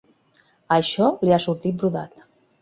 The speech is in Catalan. Això li ha sortit brodat.